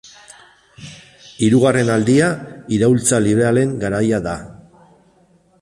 Hirugarren aldia iraultza liberalen garaia da.